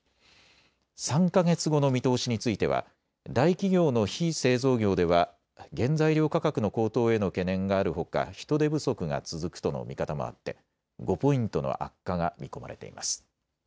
３か月後の見通しについては大企業の非製造業では原材料価格の高騰への懸念があるほか人手不足が続くとの見方もあって５ポイントの悪化が見込まれています。